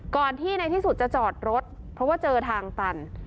ก่อนที่ในที่สุดจะจอดรถเพราะว่าเจอทางตัน